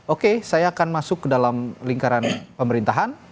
oke saya akan masuk ke dalam lingkaran pemerintahan